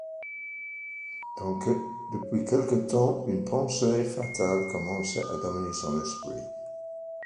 Depuis quelque temps une pensée fatale commençait à dominer son esprit.